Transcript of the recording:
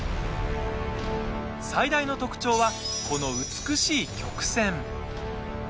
最大の特徴は、この美しい曲線。